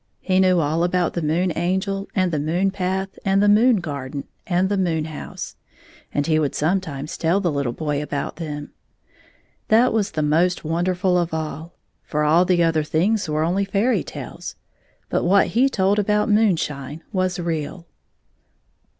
He knew all about the Moon Angel and the moon path and the moon garden and the moon house, and he would sometimes tell the httle boy about them. That was the most wonderfiil of all, for all the other things were only fairy tales, but what he told about moonshine was real.